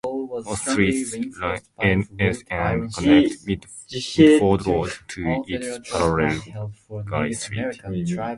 Most streets run N-S and connect Milford road to its parallel: Guy Street.